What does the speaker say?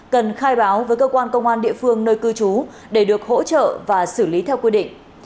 cần khai báo với cơ quan công an địa phương nơi cư trú để được hỗ trợ và xử lý theo quy định